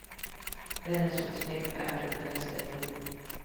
Venice was named after Venice, Italy.